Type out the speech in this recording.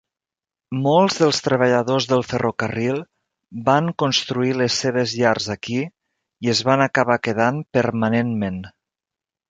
Molts dels treballadors del ferrocarril van construir les seves llars aquí i es van acabar quedant permanentment.